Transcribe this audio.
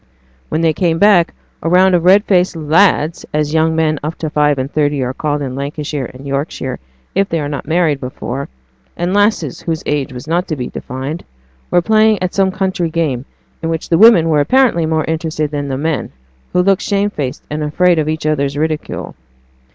When they came back a round of red faced 'lads,' as young men up to five and thirty are called in Lancashire and Yorkshire if they are not married before, and lasses, whose age was not to be defined, were playing at some country game, in which the women were apparently more interested than the men, who looked shamefaced, and afraid of each other's ridicule.